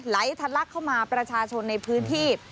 ไหลทะลักเข้ามาประชาชนในพื้นที่